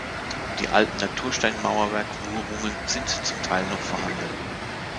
Die alten Natursteinmauerwerk-Wuhrungen sind zum Teil noch vorhanden.